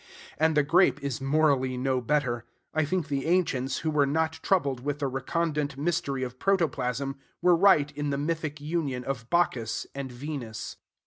And the grape is morally no better. I think the ancients, who were not troubled with the recondite mystery of protoplasm, were right in the mythic union of Bacchus and Venus.